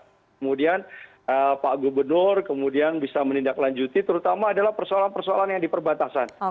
kemudian pak gubernur kemudian bisa menindaklanjuti terutama adalah persoalan persoalan yang di perbatasan